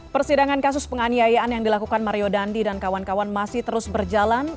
persidangan kasus penganiayaan yang dilakukan mario dandi dan kawan kawan masih terus berjalan